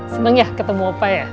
seneng ya ketemu apa ya